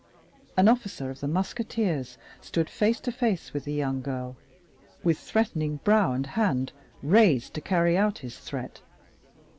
An officer of the musketeers stood face to face with the young girl, with threatening brow and hand raised to carry out his threat.